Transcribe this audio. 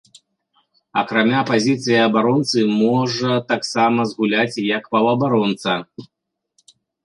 Акрамя пазіцыі абаронцы можа таксама згуляць і як паўабаронца.